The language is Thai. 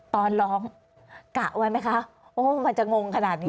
ตอนร้องกะไว้ไหมคะโอ้มันจะงงขนาดนี้